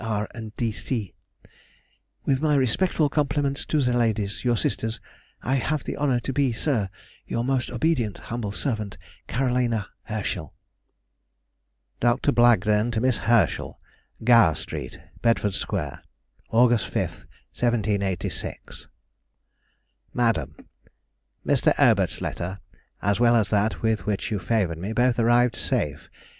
R. and D. C. With my respectful compliments to the ladies, your sisters, I have the honour to be, Sir, Your most obedient, humble servant, CAR. HERSCHEL. DR. BLAGDEN TO MISS HERSCHEL. GOWER STREET, BEDFORD SQUARE, August 5, 1786. MADAM,— Mr. Aubert's letter, as well as that with which you favoured me, both arrived safe.